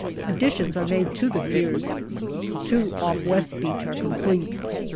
Additions are made to the piers. Two off West Beach are complete.